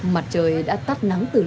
mặt trời đã tắt nắng từ nay